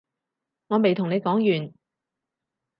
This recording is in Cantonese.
我未同你講完